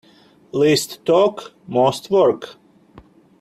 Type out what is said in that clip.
Least talk most work.